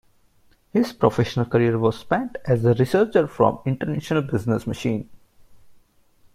His professional career was spent as a researcher for International Business Machines.